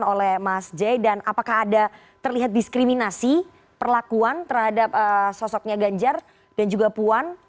oleh mas j dan apakah ada terlihat diskriminasi perlakuan terhadap sosoknya ganjar dan juga puan